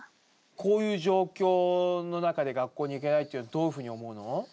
こういう状況の中で学校に行けないというの、どういうふうに思うの？